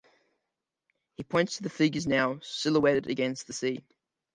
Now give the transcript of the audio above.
He points to the figures now silhouetted against the sea.